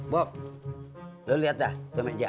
bob lu liat dah tuh meja